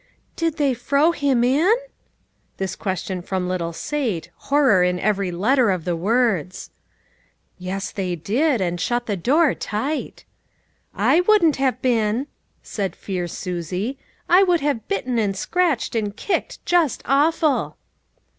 "Did they frow him in ?" this question from little Sate, horror in every letter of the words. "Yes, they did ; and shut the door tight." " I wouldn't have been," said fierce Susie ;" I would have bitten, and scratched and kicked just awful